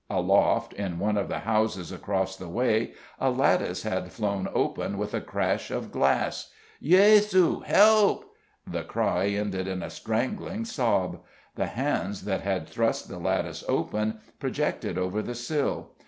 Aloft, in one of the houses across the way, a lattice had flown open with a crash of glass. "Jesu! help!" The cry ended in a strangling sob. The hands that had thrust the lattice open projected over the sill.